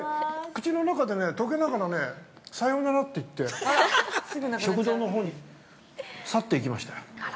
口の中で、溶けながら、さよならって言って、食道のほうに去っていきましたよ。